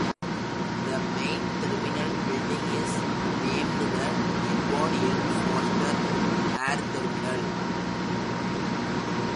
The main terminal building is named the Edward L. Foster Air Terminal.